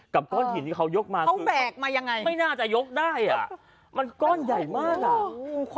กับก้อนหินที่เขายกมาคือไม่น่าจะยกได้อ่ะมันก้อนใหญ่มาก